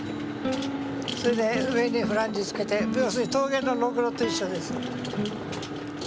それで上にフランジつけて要するに陶芸のろくろと一緒です。